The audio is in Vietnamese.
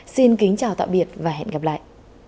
xin kính chào tạm biệt và hẹn gặp lại